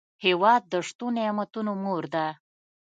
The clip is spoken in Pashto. هېواد د شتو نعمتونو مور ده.